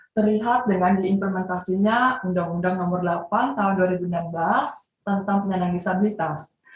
terlihat dengan diimplementasinya undang undang nomor delapan tahun dua ribu enam belas tentang penyandang disabilitas